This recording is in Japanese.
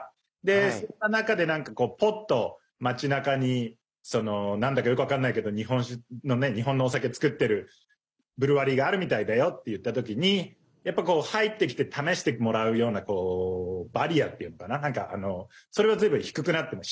そんな中で、ぽっと街なかになんだかよく分かんないけど日本酒の、日本のお酒造ってるブルワリーがあるみたいだよっていった時にやっぱり、入ってきて試してもらうようなバリアっていうのかななんか、それはずいぶん低くなっています。